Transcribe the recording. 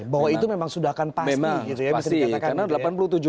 bahwa itu memang sudah akan pasti gitu ya bisa dikatakan